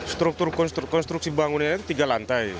struktur konstruksi bangunannya itu tiga lantai